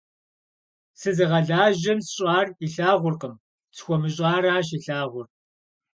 Сызыгъэлажьэм сщӏар илъагъуркъым, схуэмыщӏаращ илъагъур.